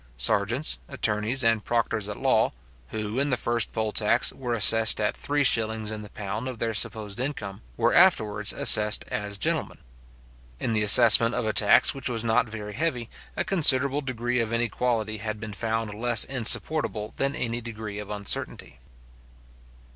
Serjeants, attorneys, and proctors at law, who, in the first poll tax, were assessed at three shillings in the pound of their supposed income, were afterwards assessed as gentlemen. In the assessment of a tax which was not very heavy, a considerable degree of inequality had been found less insupportable than any degree of uncertainty.